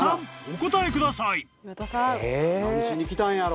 お答えください］え。